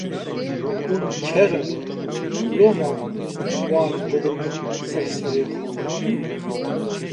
Hûn ker in loma hûn wan didin ser serê xwe